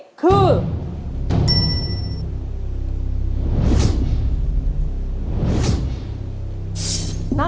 ขอบคุณครับ